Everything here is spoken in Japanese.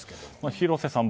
広瀬さん